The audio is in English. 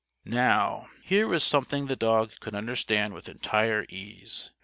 Now, here was something the dog could understand with entire ease.